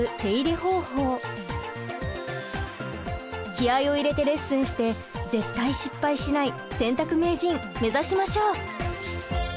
気合いを入れてレッスンして絶対失敗しない洗濯名人目指しましょう。